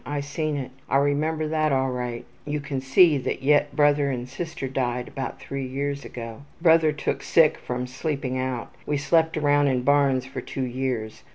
I seen it. I remember that all right. I can see that yet Brother and sister died about 3 years ago. Brother took sick from sleeping out. We slept around in barns for 2 years.